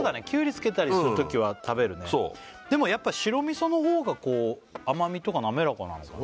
つけたりするときは食べるねでもやっぱ白味噌のほうが甘みとか滑らかなのかな